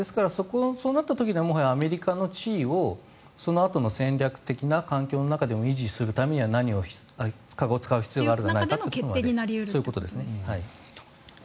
そうなったらもはやアメリカの地位をそのあとの戦略的な中で維持するためには何を使う必要があるのかということですね。